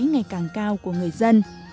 ngày càng cao của người dân